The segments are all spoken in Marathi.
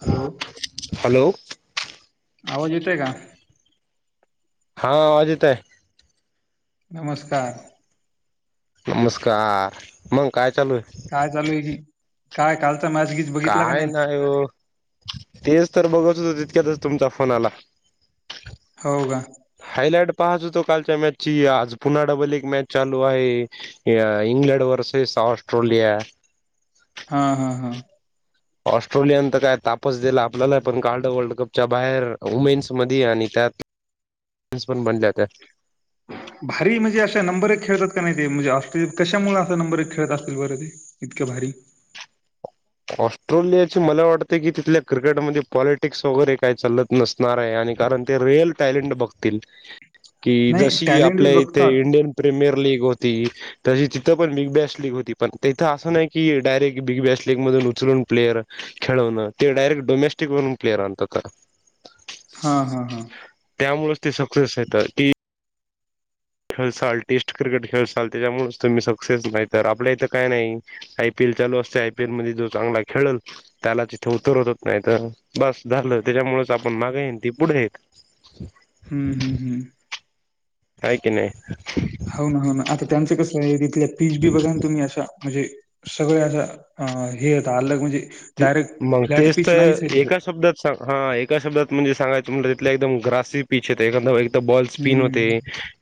हॅलो, हॅलो आवाज येतेय का? हा अजित आहे. नमस्कार, नमस्कार, मग. ऽ काय चालू आहे काय? कालऽ काय नाही हो, तेच तर बघत होत, तितक्यातच तुमच्या फोन आला. हो का? हायलाइट पाहत होतो कालच्या मॅचची, आज पुन्हा डबल एक मॅच चालू आहे, इंग्लंड वर्सेसऽ ऑस्ट्रेोलिया. हा, हा, हा ऑस्ट्रेलियान तर काय तापच दिलं, आपल्याला पण काढलं वर्ल्ड कपच्या बाहेर वुमेन्स मध्ये आणिऽऽ त्यातऽ भारी म्हणजे अशा नंबर खेळतात. नाही ते म्हणजे ऑस्ट्रेलिया कशा मुळ असा नंबर एक खेळत असतील बर, ते इतक्या भारीऽऽ ऑस्ट्रेलियाची मला वाटते की तिथल्या क्रिकेटमध्ये पॉलिटिक्स वगैरे काय चालत नसणार आहे आणि कारणऽ ते रिअल टॅलेंट बघतील. कि नाही जशी टॅलेंट बी आपल्या इथे बघतात. इंडियन प्रीमियर लीग होती. तशी तिथ पण बिग बेस्ट लीग होती, पण तथं नाही क डयरेट बिग बेस्टऽ लीग मधून उचलून प्लेयर खेळवण, ते डायरेक्ट डोमेस्टिक म्हणून प्लेयर आणत तरऽ हा, हा, हा त्यामुळेच ते सक्सेस येतात कीऽ खेळसाल, टेस्ट क्रिकेट खेळसाल, त्याच्यामुळेच तुम्ही सक्सेस नाही, तर आपल्या इथं काय नाही आयपीएलऽ चालू असतय, आयपीएल मधे जो चांगला खेळल, त्याला तिथे उतरत नाही, तर बस झा त्याच्याऽ च आपण मागा येन, ती पुढे आहेत. हम्म, हम्म, हम्म. कायकी नाही. हो ना, हो ना, आता त्यांचं कस आहे, तिथ पीच बी बघा ना तुम्ही अशा म्हणजे, सगळ असं हे त अलग म्हणजे ते डायरेक्ट मग, फ्लॅट तेच पिच तर नाहीच आहे तिथं. एका शब्दात सांग, हा एका शब्दात म्हणजे सांगायच. म्ह तिथल्या एकदम ग्रासी पिच होते, एकदा बॉल स्पिन होते, हं.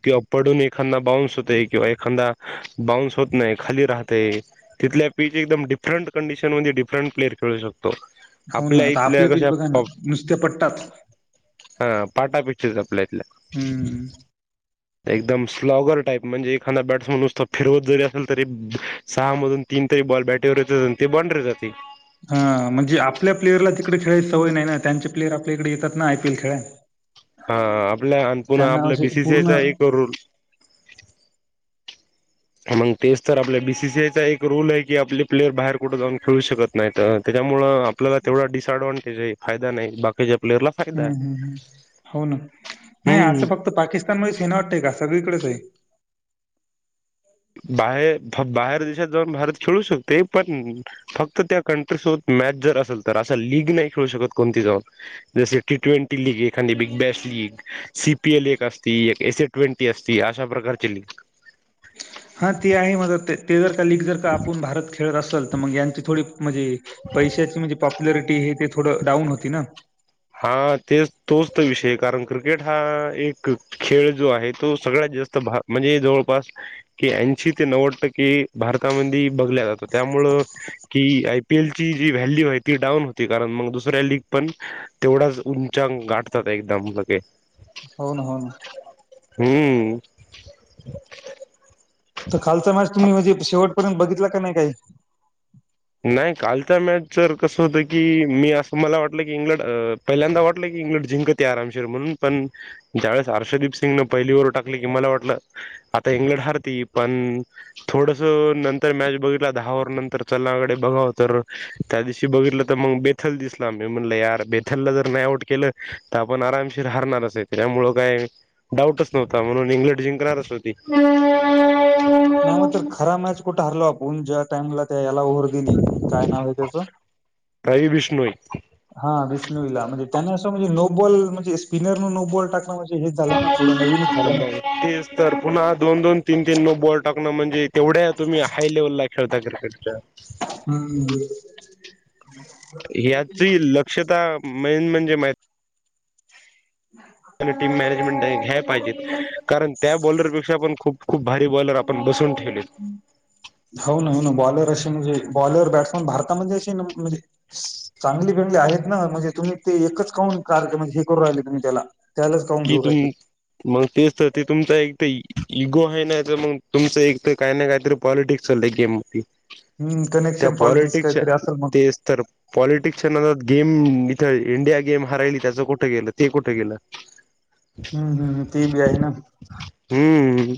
किंवा पडून एखादा बाऊन्स होतय, किंवा एखादा बाउ्स होत नाही, खाली राहतय, तिथल्या पी. एकम्दम डिफरंट कंडिशन मध्ये, डिफरंट प्लेयर खेळू शको. हो ना आपल्या आता इथल्या पिच कशा बघा ना नुसत्या पट्टात. हा पाटा पिक्चच आपल्या इथल्या हम्म. एकदम स्लॉगर टाईप म्हणजे एखादा बॅट्समनतो फिरवत जरी असेल तरी सहा मधून तीन तीन तरी बॉल बॅटेवरात आणि ते बॉन रे जाते. हा म्हणजे आपल्या प्लेयरला तिकडे खेळायची सवय नाही ना त्यांचे प्लेयर आपल्या इकडे येतात ना आयपीएल खेळाय. हा आपल्या पुन्हा आपलं पूर्ण बीसीसीचा हं, एक करू. मग तेच तर आपल्या बीसीसीआयचा एक रूल आहे की आपले प्लेयर बाहेर कुठे जाऊन खेळू शकत नाही त्या त्यामुळे आपल्याला तेवढा डिसअडव्हांटेज आहे फायदा नाही बाकीच्या प्लेअरला फायदा हम्म आहे हम् हम् हो ना नाही हम्म असं फक्त पाकिस्तान म सेना वाटतय का? सगळीकडेच आहे. बाहेर बाहेर देशात जाऊन भारत खेळू शकते. पण फक्त त्या कंट्रीसोबत मॅच जर असेल तर असं लीग नाही खेळू शकत कोणती जाऊन जसे टी ट्वेंटी लीग एखादी Big Bash League C P L एक असती एक एस ए ट्वेंटी असती. अशा प्रकारची लिग- हा ते आहे माझ ते जर का लीग जर का आपण भारत खेळत असेल तर मग यांची थोडी म्हणजे पैशाची म्हणजे पॉप्युलरिटी हे ते थोडं डाऊन होती ना. हा तेच तोच विषय कारण क्रिकेट हा एक खेळ जो आहे तो सगळ्यात जास्त भारतात म्हणजे जवळपास की ऐंशी ते नव्वद टक्के भारतामध्ये बघल्या जातात. त्यामुळं की आय. आयपीएल ची जी व्हॅल्यू आहे ती डाऊन होती कारण मग दुसऱ्या लीग पण तेवढाच उंचा गाठतात एकदम लके हो ना हो ना. हम्म तर कालचा मॅच तुम्ही म्हणजे शेवटपर्यंत बघितला का नाही काही नाही कालच्या मॅच तरर कसं होत की मी असं मला वाटलं की इंग्लंड पहिल्यांदा वाटलं की इंग्लंड जिंकत आरामशर म्हणून पण ज्यावेळेस हर्षदीप सिंगने पहिली ओवर टाकली की मला वाटलं. आता इंग्लंड हारती पण थोडस नंतर मॅच बघितला दहा ओवर नंतर लाकडे बघा तर त्या दिवशी बघितलं तर मग बेथल दिसला म म्हणलंर बेथलला जर नाही. आप आम ह त्या का डट्ह जं सरस्वती नाही मग तर खरा मॅच कुठं हरलो आपण ज्या टाइमला त्या का रवी बिष्णोई हा विष्णला म्हण. त्यांना असं म्हणजे नो बॉल म्हणे स्पिनर नो बल टाकणज तेच तर पुन्हा दोन दोन तीन तीन नो बॉल टाकणं म्हणजे तेवढ्या तुम्ही हाय लेव्हलला खेळता क्रिकेटच्या हम्म. ह्याची लक्षता मेन म्हणजे माह टीम मॅनेजमेंट घ्याय पाहिजेत कारण त्या बॉलरपेक्षा पण खूप खूप भारी बॉलर आपण बसून ठेव. हो ना हो ना बॉलर बर बौलम भारता चगेलीणे त एकच काून कार म्ह हे करू राहिले तुम्ही त्याला त्यालाच काऊन कि घेऊ राहिले. तुम मग तेच ते तुमचा एक तर इगो आहे नाही तर मग तुमचं एक तर काय ना काहीतरी पॉलिटिक्स चालय गेम म हम्म त्या कनेक्शन पॉलिटिक्स पॉलिटिकसच्या काहीतरी असेल मग तेच तर पॉलिटिक्सच्या न गेम इथं इंडिया गेम हरायली त्याचं कुठं गेलं ते कुठं गेलं हम्म हम् तेबजय ना हम्म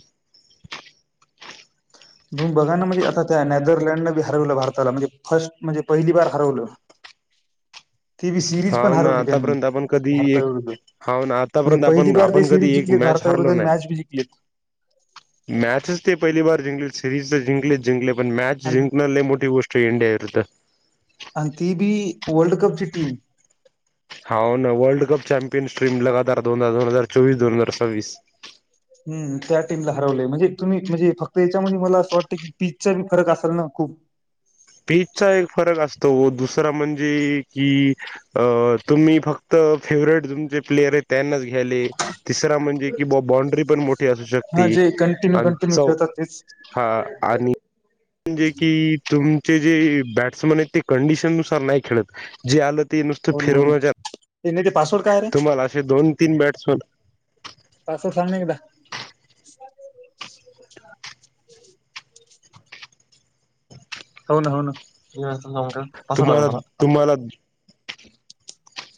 म्हण बघा ना म्हणजे आता त्या नेदरलँडन बी हरवलं भारताला म्हणजे फर्स्ट म्हणजे पहिली बार हरवलं ती ब सिरीज पण हाव ना हरवली त्यांनी आतापर्यंत आपण कधी एक भारताविरुद्ध हाव ना म्हणजे आतापर्यंत पहिली आपण बार ते आपण कधी सिरीज एक जिंकले मॅच भारता हारलो विरुद्ध नाही मॅच भी जिंकलेत मॅचच ते पहिली बार जिंकलेत सिरीज तर जिंकलेच जिंकले पण मॅच आणि जिंकण लय मोठी गोष्ट आहे इंडिया विरद्ध आणि ती बी वर्ल्ड कपची टीम होा ना वर्ल्ड कप चॅम्पियन स्ट्रीम लगातार दोन दोन हजार चोवीस दोन हजार सव्वीस हम् त्या टीमला हरवलं म्हणजे तुम्ही म्हणजे फक्त याच्यामध्ये मला असं वाटत की पीचचा भी फरक असल ना खूप ह पीचचा एक फरक असतो दुसरा म्हणजे की अ तुम्ही फक्त फेवरेट तुमचे प्लेयर आहेत त्यांनाच घे त्याले तिसरा म्हणजे की बांड्री पण मोठी असू शकते आणि चौ हा वाकरण आणि म्हणजे की तुमचे जे बॅट्समन आहेत ते कंडिशन नुसार नाही खेळत जे आलं ते नुसत हो ना हो ना फिरवून जा ते नाही ते पासवर्ड काय रे तुम्हाला असे दोन तीन बॅट्समन पासवर्ड सांग ना एकदा अस्स हो ना हो ना पासवर्ड आला तुम्हाला पायजा आला तुम्हाला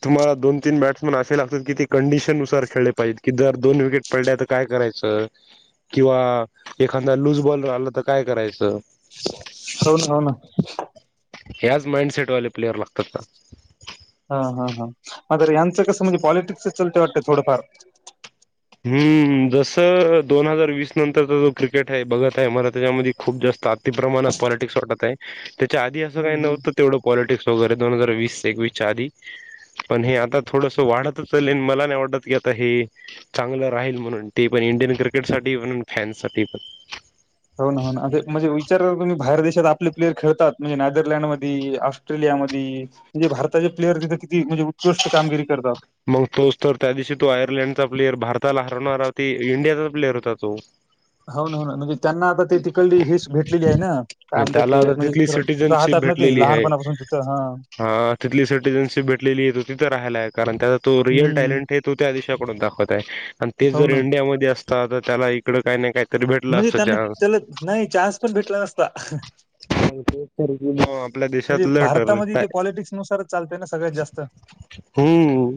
तुम्हाला दोन तीन बॅट्समन असे लागात की ते कंडीशन नुसार खेळले पाहिजे की जर दोन विकेट पडले तर काय कर करायच किंवा एखादा लूज बॉल आला तर काय करायचं हो ना हो ना ह्याच माइंडसेटवाले प्लेअर लागतात ना हा हा हा म्र यांचं कसं म्हणजे पॉलिटिक्सच चलते वाटत थोडंफार हम्म जसं दोन हजार वीस नंतरचा जो क्रिकेट आहे बघत आहे मला त्याच्यामध्ये खूप जास्त आत ति प्रमाणात पॉलिटिक्स वर कळतंय त्याच्या आधी असं हम्म काही हम्म. नव्हतं, तेवढं पॉलिटिक्स वगैरे दोन हजार वीस एकवीस च्या आधी, पण हे आता थोडस वाढतच चाललय, मला नाही वाटत की आता हे चांगलं राहील म्हणून ते पण इंडियन क्रिकेट साठी म्हणून फॅन्स साठी पण हो ना हो ना म्हणजे विचार तुम्ही बाहेर देशात आपले प्लेयर खेळतात म्हणजे नदरलँडमध्ये ऑट्रेलिया त्यामध्ये म्हणजे भारताचे लेबर वर्ग किती म्हणजे उत्कृष्ट कामगिरी करतात मग तोच तर त्या दिवशी तो आयर्लडचा प्लेयर भारत त्याला हरवणणारा होती इंडियाचा प्लेयर होता तो हो ना हो ना म्हणजे त्यांना आता ते तिकडली हेच भेटलेली आहे ना काय म्हणतात त्याला ते आता तिथली म्हणजे राहत सिटीजनशिप त्यांना ते भेटलेली आहे. लहानपणापासून तिथं हं हा तिथली सिटिजनशिप भेटलेली आहे तिथं राहायला आहेत कारण त्याचा तो रिअल हं. टॅलेंट हे तो त्या देशाकडून दाखवत आहे आणि तेच हो जर ना. इंडियामध्ये असतात तर त्याला इकडं काही नाही काय म्हणजे त्यांना त्याला नाही चान्स पण भेटला नसता हो आपल्या देशात म्हणजे लय भारतामध्ये ठरतय ते पॉलिटिक्सनुसारच चालतंय ना सगळ्यात जास्त. हम्म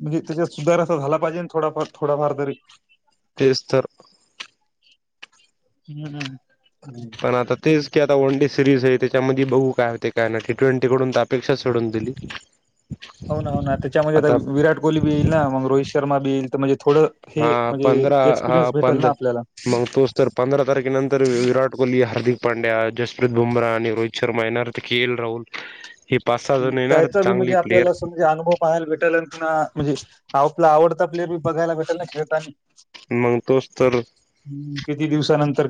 म्हणजे त्याच्यात सुधार अस झाला पाहिजे थोडाफार थोडाफार तरी तेचतर हम्मम्. पण आता तेच ते आता वन डे सिरीजे, त्याच्यामध्ये बघू काय होते काय नाय, ते ट्वेंटी कडून तर अपेक्षाच सोडून दिली. हो ना, हो ना, त्याच्यामध्ये आता, विराट कोहली बी येईल ना, मग रोहित शर्मा बी येईल. तर म्हणजे थोडं हे हा म्हणजे पंधरा, हा एक्सपिरियन्स भेटेल पध ना आपल्याला. मग तोच तर पंधरा तारखेनंतर, विराट कोहली, हार्दिक पांड्या, जसप्रीत गुमराहन आणि रोहित शर्मा येणारथ के एल राहुल हे पाच सहा जण येणार त्याचा बी चांगले म्हणजे प्लेयर आपल्याला अस, म्हणजे अनुभव पाहाला भेटाला किं, म्हणजे आपला आवडता प्लेयर बी बघायला भेटल ना खेळताना. मग तोच तर ह् किती दिवसानंतर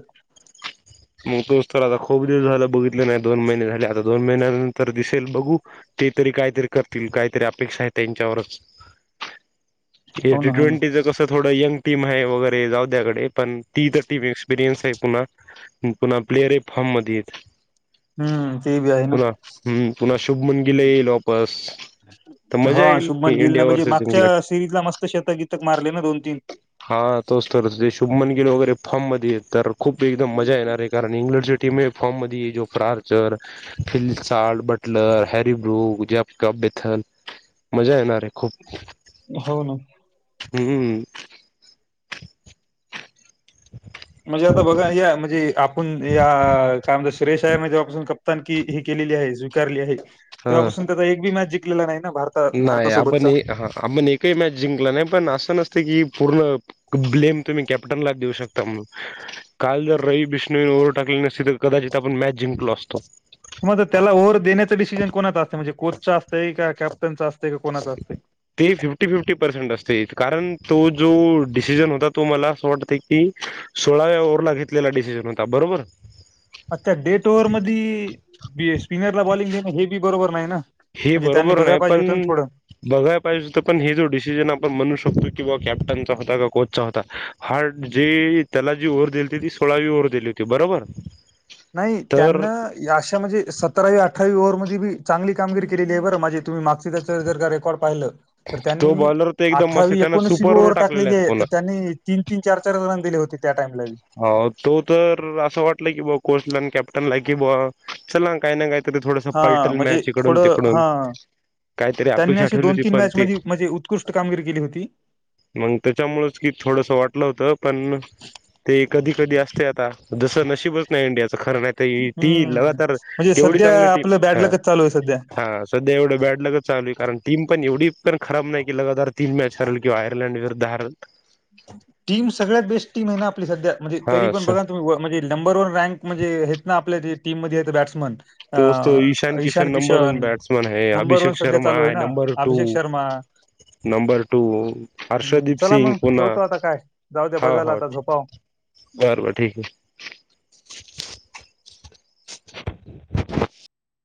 मग तोच तर आता खूप दिवस झालं बघितलं नाही, दोन महिने झाले, आता दोन महिन्यानंतर दिसेल बघू. ते तरी काहीतरी करतील, काहीतरी अपेक्षा आहे त्यांच्यावरच. [inaudible] हे हो टी ना हो ना. ट्वेंटीचं कसं थोडं यंग टीम आहे वगैरे जाऊद्या गडे पण ती तर टीम एक्सपिरियन्स आहे पुन्हा. पुन्हा प्लेअरही फॉर्म मध्ये येत. हम्म ते ब आहे ना. शुभ मुण गीले लॉपस. हा शुभमन गिलने म्हणजे मागच्या इंग्लंड सिरीज ला मस्त, शतगीतक मारले ना दोन तीन. हा तोच तर ते शुभमन गिल वगैरे, फॉर्म मध्ये तर खूप एकदम मजा येणार. इंग्लंडच्या टीमे फॉर्म मध्येय, जो फारचर फ Butler Harry Bru cup Bethell मजा येणारे खूप. हो ना. हम्म हम्म. [inaudible] म्हणजे आता बघा या, म्हणजे आपण या काय म्हणता, श्रेयशाही मध्ये जेव्हा प्रथम की हे केलेली आहे स्वीकारली आहे, हा तेव्हापासून त्याचा एक बी मॅच जिंलेला नाही. ना भारता नाही आपण भारतासोबतचा. ह आपण एकही मॅच जिंकला नाही, पण असं नसत की पूर्ण ब्लेम तुमही केॅप्टन लाच देऊ शकता, काल जर रवि बिष्णू ओववर टाकलेली नसती, तर कदाचित तिथं आपण मॅच जिंकलो असतो. मग त्याला ओव्हर तेही का कॅप्टनचा असतंय का कोणाचा असतंय? ते फिफ्टी फिफ्टी पर्सेंट असते कारण तो जो डिसिजन होता तो मला असं वाटत की सोळाव्या ओव्हरला घेतलेला डिसिजन होता बरोबर. अच्छा डेट ओव्हर मध स्पिनरला बॉलिंग घेणं हे बी बरोबर नाही ना. हे म्हणजे त्यांनी बरोबर बघायला नाही पाहिजे पण होतं ना थोडं. बघायला पाहिजे तर पण हे जो डिसिजन आपण म्हणू शकतो किंवा कॅप्टनचा होता का? कोचचा होता? हार् जे त्याला जी ओव्हर दिलती ती सोळावी ओव्हर दिली होती. ते बरोबर. नाही तर त्यांना अशा म्हणजे, सतरावी अठरावी ओव्हरमध्ये चांगली कामगरी केलेलीय बर, माझे तुम्ही मा्सच जर का रेकॉर्ड पाहिलं. तर तो त्यांनी बॉलर तर एकदम मस्त अठरावी त्यान एकोणीसवी सुपर ओव्हर टाकलेला आहेत टाकलेलीये, तर पुन्हा त्यांनी तीन तीन चार चार रन दिले होते. त्या टाइमला बी. हो तो तर असं वाटलं की बा, कोर्सला कॅप्टनला कि बा चला काही ना काही हा म्हणजे थोडं, हा. काहीतरी त्यांनी अपेक्षा अशी ठेवली दोन होती तीन पण मॅच ते मधी मधी, उत्कृष्ट कामगिरी केली होती. मग त्याच्यामुळेच की थोडंस वाटलं होतं, पण ते कधी कधी असते आता, जसं नशीबच नाही इंडियाच. खरं नाही, तर ती हम्म लगातार म्हणजे तेवढी सध्या चांगली टीम, आपलं हा. बॅडलकच चालू आहे सध्या. हा सध्या एवढं बॅडलगच चालूये, कारण टीम पण एवढी पण खराब नाही की लगातार तीन मॅच हरल, किंवा आयर्लंड विरुद्ध हारल, टीम सगळ्यात बेस्ट टीम आहे ना आपली सध्या, म्हणजे तरी हा पण बघा तुम्ही म्हणजे नंबर वन रँक म्हणजे हेत ना, आपल्या ज टीममध्ये येत बॅट्समन. तस्तो Ishan Kishan number one batsman है, नंबर वन अभिषेक सध्या शर्मा चालू आहे ह ना number two. Abhishek Sharma number two हम्म, हर्षदीप चला सिंग, मग कोण? ठेवतो आता काय जाऊ द्या हो बजाला हो आता झोपाव बरोबर ठीक आहे. [inaudible] [inaudible]